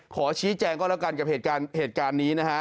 ขอชี้แจงก้อนกันกับเหตุการณ์นี้